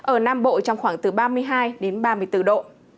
ở nam bộ trong khoảng từ ba mươi hai đến ba mươi bốn độ